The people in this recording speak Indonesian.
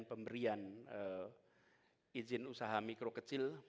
pemberian izin usaha mikro kecil